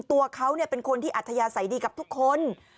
ตัวเขาเป็นคนที่อัธยาศัยดีกับทุกคน